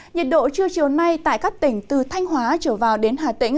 nhiệt độ trưa chiều nay tại các tỉnh từ thanh hóa trở vào đến hà tĩnh